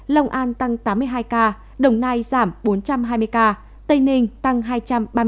long an tăng tám mươi hai ca đồng nai giảm bốn trăm hai mươi ca tây ninh tăng hai trăm ba mươi ca